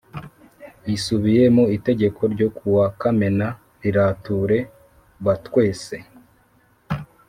Isubiye ku Itegeko ryo kuwa Kamena rirature batwwese